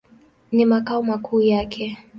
Ni makao makuu yake.